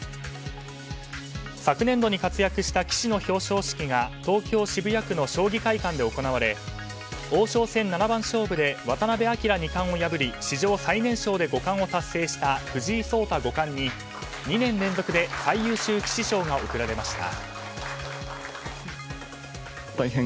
昨年度に活躍した棋士の表彰式が東京・渋谷区の将棋会館で行われ王将戦七番勝負で渡辺明二冠を破り史上最年少で５冠を達成した藤井聡太五冠に２年連続で最優秀棋士賞が贈られました。